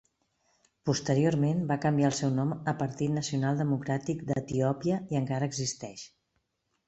Posteriorment va canviar el seu nom a Partit Nacional Democràtic d'Etiòpia i encara existeix.